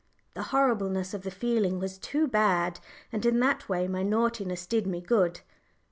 The horribleness of the feeling was too bad, and in that way my naughtiness did me good!